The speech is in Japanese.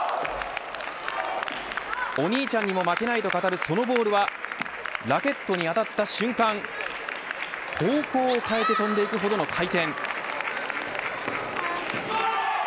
お兄ちゃんにも負けないと語るそのボールはラケットに当たった瞬間方向を変えて飛んでいくほどの回転。